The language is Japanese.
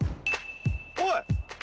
おい。